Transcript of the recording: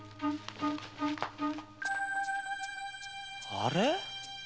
あれ？